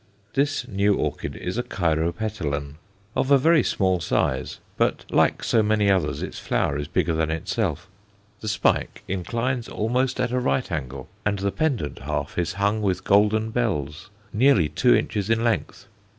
This new orchid is a Cyrrhopetalun, of very small size, but, like so many others, its flower is bigger than itself. The spike inclines almost at a right angle, and the pendent half is hung with golden bells, nearly two inches in length.